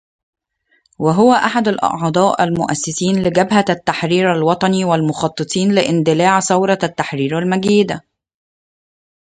وهو احد الأعضاء المؤسسين لجبهة التحرير الوطني و المخططين لاندلاع ثورة التحرير المجيدة